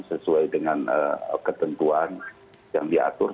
sesuai dengan ketentuan yang diatur